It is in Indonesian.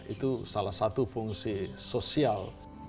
itu salah satu fungsi sosial